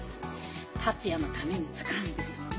達也のために使うんですもの。